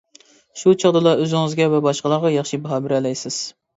شۇ چاغدىلا ئۆزىڭىزگە ۋە باشقىلارغا ياخشى باھا بېرەلەيسىز.